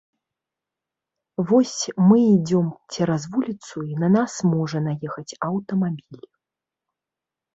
Вось мы ідзём цераз вуліцу і на нас можа наехаць аўтамабіль.